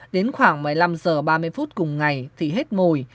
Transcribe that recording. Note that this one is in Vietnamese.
đến khoảng một mươi năm h ba mươi phút cùng ngày thì hết mồi